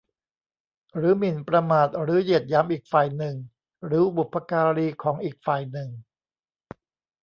หรือหมิ่นประมาทหรือเหยียดหยามอีกฝ่ายหนึ่งหรือบุพการีของอีกฝ่ายหนึ่ง